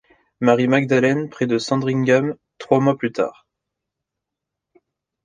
Mary Magdalene près de Sandringham trois mois plus tard.